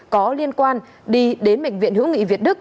có liên quan đi đến bệnh viện hữu nghị việt đức